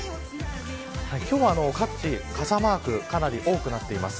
今日は各地傘マークが多くなっています。